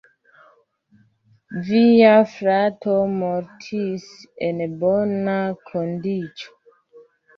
Via frato mortis en bona kondiĉo.